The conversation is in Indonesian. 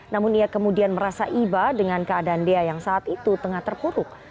namun ia kemudian merasa iba dengan keadaan dea yang saat itu tengah terpuruk